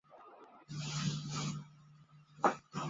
据说约斐尔还是天使梅塔特隆的同伴。